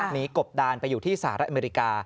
กบดานไปอยู่ที่สหรัฐอเมริกา